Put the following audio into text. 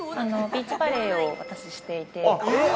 ビーチバレーをしていて。